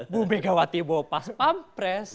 bu megawati bahwa pas pampres